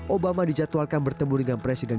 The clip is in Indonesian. obama dijadwalkan bertemu dengan presiden